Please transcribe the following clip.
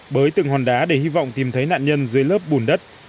bới từng hòn đá để hy vọng tìm thấy nạn nhân dưới lớp bùn đất